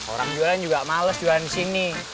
orang jualan juga males jualan di sini